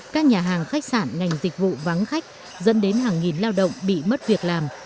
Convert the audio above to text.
các nhà hàng khách sạn ngành dịch vụ vắng khách dẫn đến hàng nghìn lao động bị mất việc làm